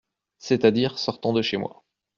C'est-à-dire sortant de chez moi.